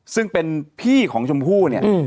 ซึ่งเป็นพี่ของชมพู่เนี่ย